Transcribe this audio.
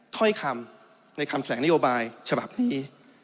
ถ้อยคำในคำแสงนโยบายฉบับนี้